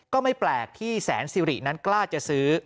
ก็ไม่แปลกที่แสนสิรินั้นกล้าจะซื้อ